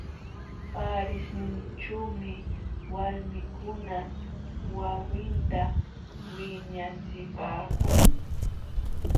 Paarishninćhuumi walmikuna wawinta wiñachipaakun.